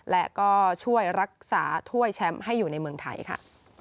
และก็ช่วยรักษาถ้วยแชมป์ให้อยู่ในเมืองไทยค่ะ